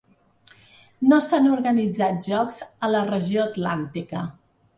No s'han organitzat jocs a la regió atlàntica.